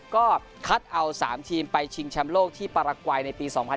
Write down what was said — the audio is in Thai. ก็คัดเอา๓ทีมไปชิงแชมป์โลกที่ปรกวัยในปี๒๐๑๖